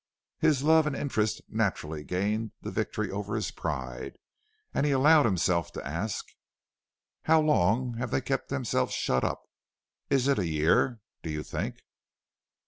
His love and interest naturally gained the victory over his pride, and he allowed himself to ask: "How long have they kept themselves shut up? Is it a year, do you think?"